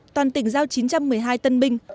toàn tỉnh giao chín trăm một mươi hai tân binh